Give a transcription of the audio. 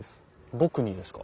僕にですか？